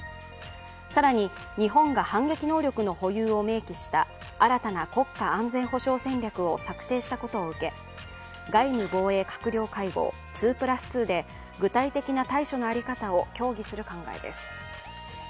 更に、日本が反撃能力の保有を明記した新たな国家安全保障戦略を策定したことを受け、外務・防衛閣僚会合２＋２で具体的な対処の在り方を協議する考えです。